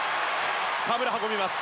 河村、運びます。